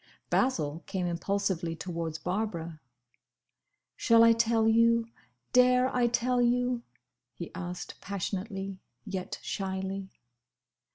Basil came impulsively towards Barbara. "Shall I tell you? Dare I tell you?" he asked passionately, yet shyly.